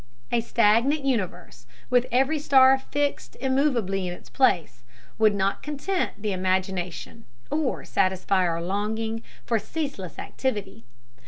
A stagnant universe, with every star fixed immovably in its place, would not content the imagination or satisfy our longing for ceaseless activity.